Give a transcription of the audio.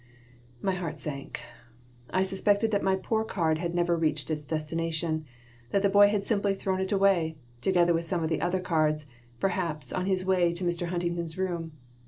My heart sank. I suspected that my poor card had never reached its destination, that the boy had simply thrown it away, together with some of the other cards, perhaps, on his way to Mr. Huntington's room.